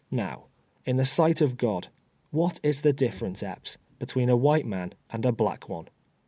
Now, in the sight of God, what is the diflerence, Epps, between a white man and a black one